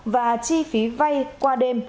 và chi phí vay qua đêm